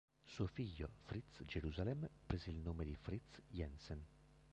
Suo figlio, Fritz Jerusalem prese il nome di Fritz Jensen.